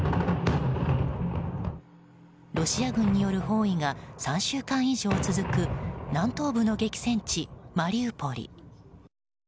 ロシア軍による包囲が３週間以上続く南東部の激戦地マリウポリ。